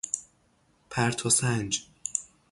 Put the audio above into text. پرتو سنج